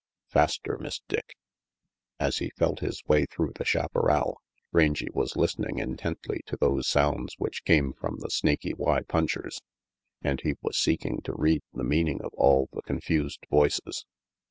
Faster, Miss Dick!" As he felt his way through the chaparral, Rangy was listening intently to those sounds which came from the Snaky Y punchers, and he was seeking to read the meaning of all the confused voices.